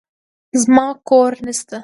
زما کور نشته.